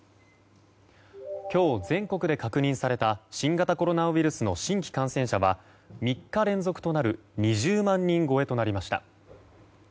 今日全国で確認された新型コロナウイルスの新規感染者は３日連続となる２０万人超えとなりました。